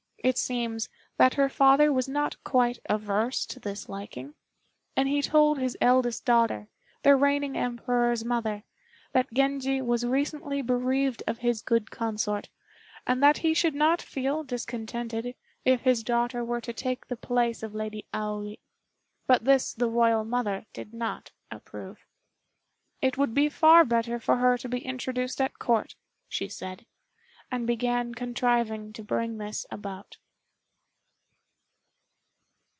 It seems that her father was not quite averse to this liking, and he told his eldest daughter, the reigning Emperor's mother, that Genji was recently bereaved of his good consort, and that he should not feel discontented if his daughter were to take the place of Lady Aoi; but this the royal mother did not approve. "It would be far better for her to be introduced at Court," she said, and began contriving to bring this about.